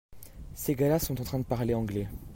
Ces gars-là sont en train de parler anglais.